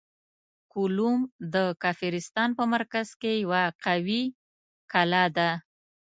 کولوم د کافرستان په مرکز کې یوه قوي کلا ده.